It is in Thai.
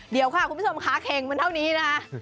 เดี๋ยวค่ะคุณผู้ชมค้าเข็งมันเท่านี้นะคะ